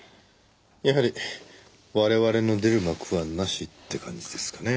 やはり我々の出る幕はなしって感じですかね。